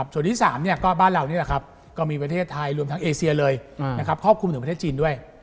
ส่วนที่๓ก็บ้านเรานี่แหละครับก็มีประเทศไทยรวมทั้งเอเซียเลยครอบคลุมถึงประเทศจีนด้วย